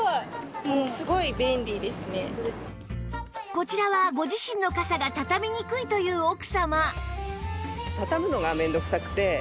こちらはご自身の傘がたたみにくいという奥様